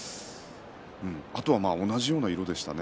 あとは同じような色でしたね。